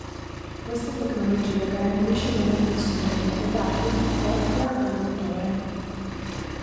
Questa tecnologia garantisce meno consumi e dà più coppia al motore.